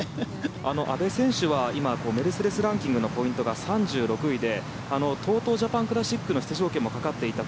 阿部選手は今メルセデス・ランキングのポイントが３６位で３６位でＴＯＴＯジャパンクラシックの出場権もかかっていた